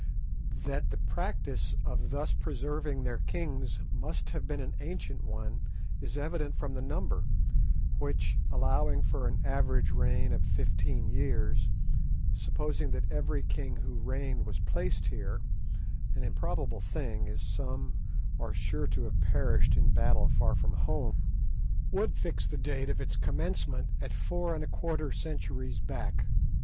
That the practice of thus preserving their kings must have been an ancient one is evident from the number, which, allowing for an average reign of fifteen years, supposing that every king who reigned was placed here—an improbable thing, as some are sure to have perished in battle far from home—would fix the date of its commencement at four and a quarter centuries back.